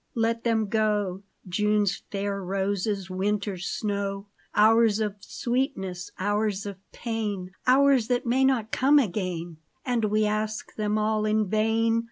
Let them go ! June's fair roses, winter's snow : Hours of sweetness, hours of pain. Hours that may not come again, And we ask them all in vain